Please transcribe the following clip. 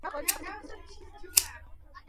لومړۍ پنځه ګڼې وړیا ترلاسه کیدی شي.